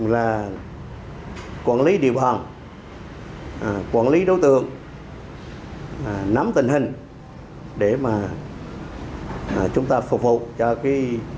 là quản lý địa bàn quản lý đối tượng nắm tình hình để mà chúng ta phục vụ cho cái